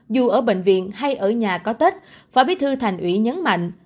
dù ở bệnh viện hay ở nhà có tết phó bí thư thành ủy nhấn mạnh